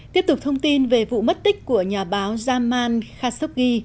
tiếp tục thông tin về vụ mất tích của nhà báo jamal khashoggi